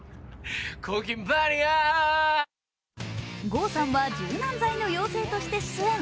郷さんは柔軟剤の妖精として出演。